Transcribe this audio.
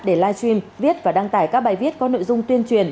để live stream viết và đăng tải các bài viết có nội dung tuyên truyền